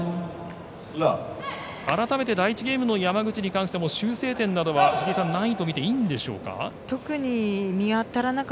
改めて第１ゲームの山口に関しても修正点などはないとみていいんでしょうか。